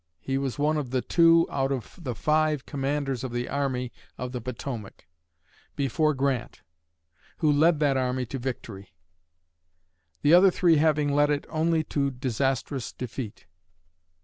He was one of the two out of the five commanders of the Army of the Potomac, before Grant, who led that army to victory; the other three having led it only to disastrous defeat.